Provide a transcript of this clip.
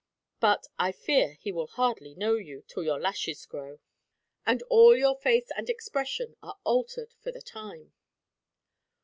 But I fear he will hardly know you, till your lashes grow; and all your face and expression are altered for the time."